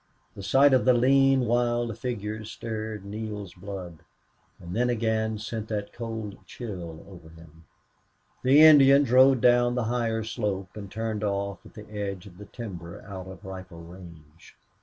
The sight of the lean, wild figures stirred Neale's blood, and then again sent that cold chill over him. The Indians rode down the higher slope and turned off at the edge of the timber out of rifle range.